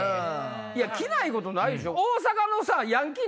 着ないことないでしょ？